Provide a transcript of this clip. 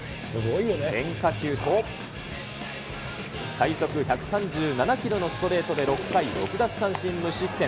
変化球と最速１３７キロのストレートで６回６奪三振無失点。